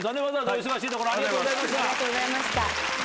お忙しいところありがとうございました。